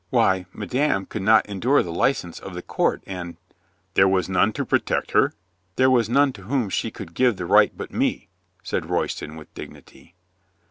"Why, madame could not endure the license of the court, and —" "There was none to protect her?" "There was none to whom she could give the right but me," said Royston with dignity.